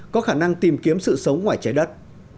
có khả năng tìm kiếm sự sống ngoài trái đất